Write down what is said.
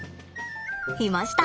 いました。